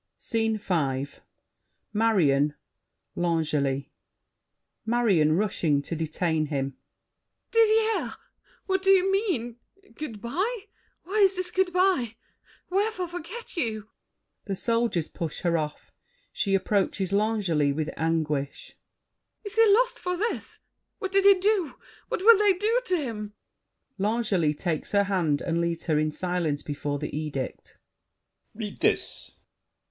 SCENE V Marion, L'Angely MARION (rushing to detain him). Didier! What do you mean? Good by? Why this good by? Wherefore forget you? [The Soldiers push her off; she approaches L'Angely with anguish. Is he lost for this? What did he do? What will they do to him? L'ANGELY (takes her hand and leads her in silence before the edict). Read this!